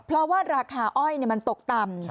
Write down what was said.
เพราะว่าราคาอ้อยมันตกต่ำ